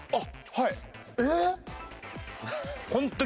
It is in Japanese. はい。